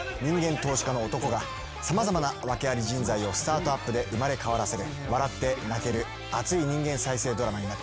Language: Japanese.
投資家の男が様々な訳あり人材をスタートアップで生まれ変わらせる笑って泣ける熱い人間再生ドラマになっております。